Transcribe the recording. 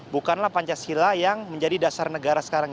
bukanlah pancasila yang menjadi dasar negara sekarang